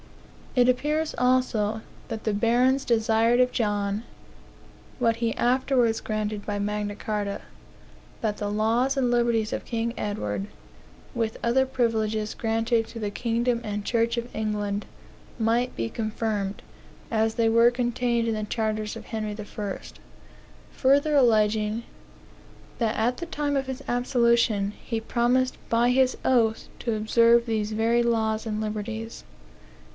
It appears, also, that the barons desired of John (what he afterwards granted by Magna Carta) "that the laws and liberties of King Edward, with other privileges granted to the kingdom and church of England, might be confirmed, as they were contained in the charters of Henry the First; further alleging, that at the time of his absolution, he promised by his oath to observe these very laws and liberties."